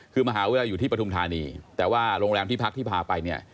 คือมหาวิทยาลัยอยู่ที่ปฐุมธานีแต่ว่าโรงแรมที่พักที่พาไปเนี่ย